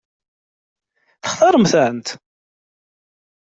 Textaṛem-ten?